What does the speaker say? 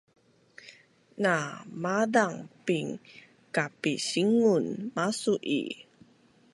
na maazang bin kapisingun masuu i